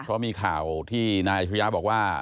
เพราะมีข่าวที่นายยุธยาบอกว่า